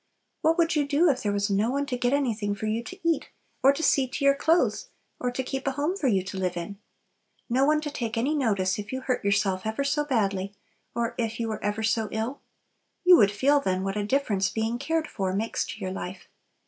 What would you do if there was no one to get anything for you to eat, or to see to your clothes, or to keep a home for you to live in? No one to take any notice if you hurt yourself ever so badly, or if you were ever so ill? You would feel then what a difference being cared for makes to your life.